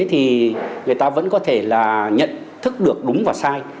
thì người ta vẫn có thể là nhận thức được đúng và sai